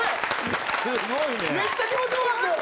めっちゃ気持ち良かったよ。